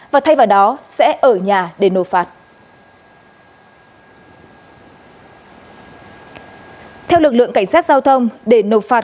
và thay vào đó sẽ ở nhà đến nhà